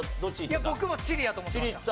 僕もチリやと思ってました。